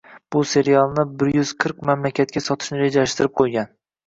bu serialni bir yuz qirq mamlakatga sotishni rejalashtirib qo‘ygan.